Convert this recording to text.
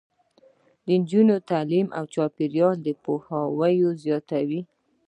د نجونو تعلیم د چاپیریال پوهاوي زیاتوي.